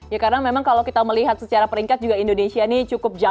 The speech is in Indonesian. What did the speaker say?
ya karena memang kalau kita melihat secara peringkat juga indonesia ini cukup jauh